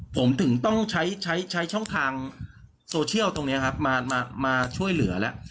ผมถึงต้องใช้ช่องทางโซเชียลตรงนี้ครับมาช่วยเหลือแล้ว